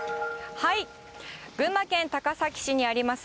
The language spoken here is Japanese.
群馬県高崎市にあります